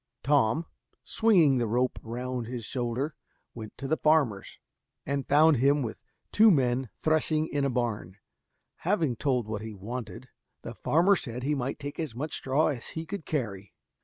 Tom, swinging the rope round his shoulder went to the farmer's, and found him with two men threshing in a barn. Having told what he wanted, the farmer said he might take as much straw as he could carry.